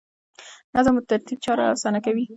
نظم او ترتیب چارې اسانه کوي.